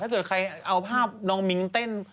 ถ้าเกิดใครเอาภาพน้องมิ้งเต้น